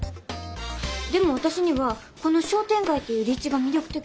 でも私にはこの商店街っていう立地が魅力的に思えて。